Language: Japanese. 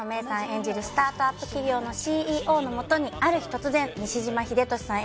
演じるスタートアップ企業のＣＥＯのもとにある日突然西島秀俊さん